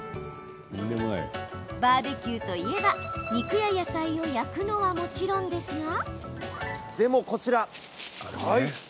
バーベキューといえば肉や野菜を焼くのはもちろんですが。